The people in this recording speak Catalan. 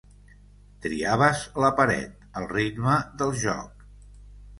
Triaves la paret, el ritme del joc.